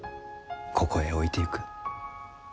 ここへ置いてゆく。